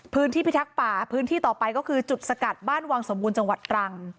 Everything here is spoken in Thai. พิทักษ์ป่าพื้นที่ต่อไปก็คือจุดสกัดบ้านวังสมบูรณ์จังหวัดตรัง